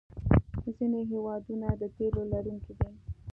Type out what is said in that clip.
ځینې هېوادونه د تیلو لرونکي دي.